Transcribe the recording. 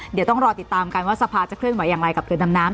เดี๋ยวต้องรอติดตามกันว่าสภาจะเคลื่อนไหวอย่างไรกับเรือดำน้ำ